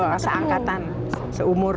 iya seangkatan seumur